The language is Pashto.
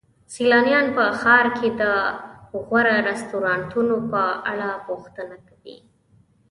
سیلانیان په ښار کې د غوره رستورانتونو په اړه پوښتنه کوي.